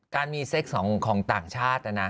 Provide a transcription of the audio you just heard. การมีซีซของต่างชาตินะ